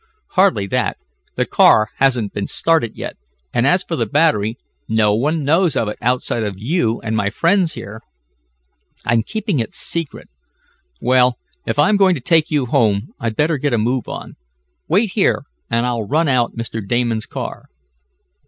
"Hardly that. The car hasn't been started yet, and as for the battery, no one knows of it outside of you and my friends here. I'm keeping it secret. Well, if I'm going to take you home I'd better get a move on. Wait here and I'll run out Mr. Damon's car."